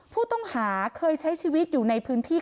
ผู้ต้องหาเคยใช้ชีวิตอยู่ในพื้นที่